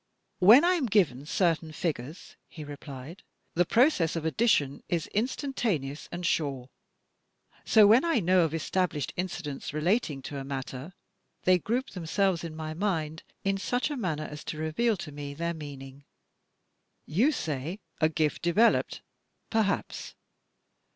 "When I am given certain figures," he replied, "the process of addition is instantaneous and sure. So, when I know of established incidents relating to a matter, they group themselves in my mind in such a manner as to reveal to me their meaning. "You say a gift developed; perhaps.